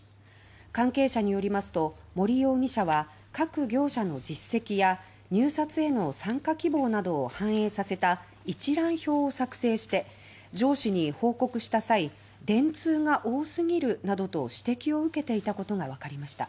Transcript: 関係者によりますと森容疑者は各業者の実績や入札への参加希望などを反映させた一覧表を作成して上司に報告した際「電通が多すぎる」などと指摘を受けていたことがわかりました。